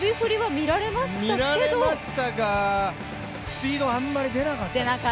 見られましたが、スピードあまり出なかったですね。